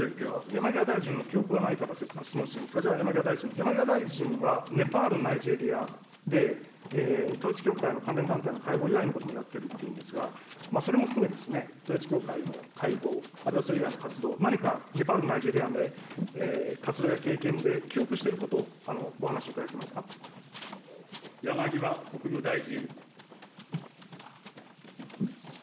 山際大臣の記憶がないから、質問するんですが、じゃあ山際大臣、山際大臣は、ネパール、ナイジェリアで、統一教会の関連団体の会合以外のこともやってるというんですが、それも含めですね、統一教会の会合、あるいはそれ以外の活動、何かネパール、ナイジェリアで、活動や経験で記憶していることをお山際国務大臣。